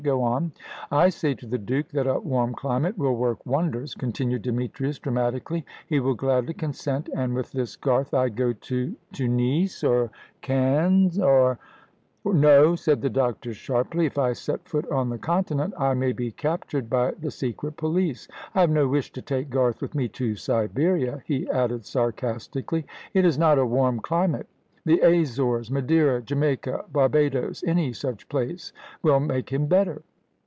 Go on." "I say to the Duke that a warm climate will work wonders," continued Demetrius, dramatically. "He will gladly consent, and with this Garth I go to " "To Nice, or Cannes, or " "No," said the doctor, sharply. "If I set foot on the Continent I may be captured by the secret police. I have no wish to take Garth with me to Siberia," he added sarcastically. "It is not a warm climate. The Azores Madeira Jamaica Barbados any such place, will make him better."